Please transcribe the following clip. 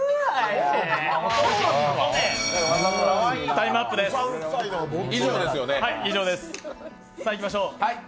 タイムアップです。